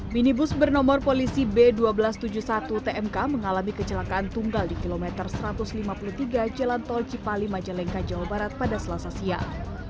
minibus bernomor polisi b seribu dua ratus tujuh puluh satu tmk mengalami kecelakaan tunggal di kilometer satu ratus lima puluh tiga jalan tol cipali majalengka jawa barat pada selasa siang